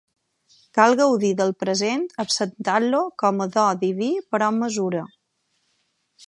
Cal gaudir del present acceptant-lo com a do diví però amb mesura.